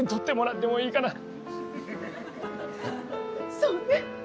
そうね。